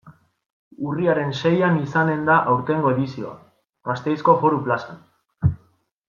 Urriaren seian izanen da aurtengo edizioa, Gasteizko Foru Plazan.